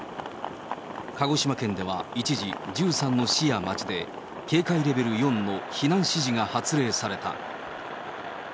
鹿児島県では一時、１３の市や町で警戒レベル４の避難指示が発令された。